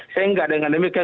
sehingga dengan demikian